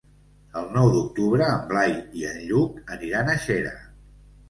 El nou d'octubre en Blai i en Lluc aniran a Xera.